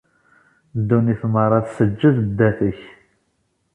Ddunit merra tseǧǧed ddat-k.